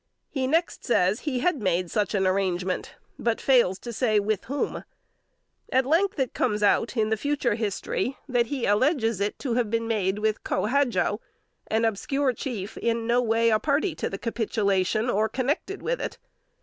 He next says he had made such an arrangement, but fails to say with whom. At length it comes out, in the future history, that he alleges it to have been made with Co Hadjo, an obscure chief, in no way a party to the capitulation, or connected with it.